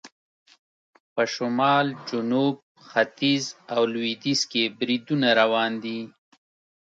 په شمال، جنوب، ختیځ او لویدیځ کې بریدونه روان دي.